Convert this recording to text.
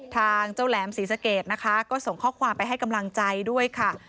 ทางเจ้าแหลมศรีสะเกดนะคะก็ส่งข้อความไปให้กำลังใจด้วยค่ะ